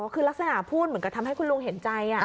คือลักษณะพูดเหมือนกับทำให้คุณลุงเห็นใจ